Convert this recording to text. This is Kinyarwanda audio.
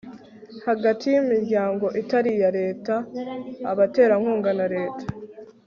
hagati y'imiryango itari iya leta, abaterankunga na leta